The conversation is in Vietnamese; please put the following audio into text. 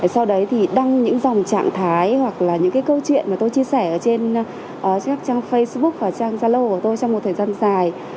sau đấy thì đăng những dòng trạng thái hoặc là những câu chuyện mà tôi chia sẻ ở trên trang facebook và trang zalo của tôi trong một thời gian dài